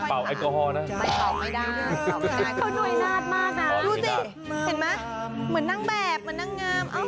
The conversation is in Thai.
เห็นมั้ยเหมือนนั่งแบบเหมือนนั่งงาม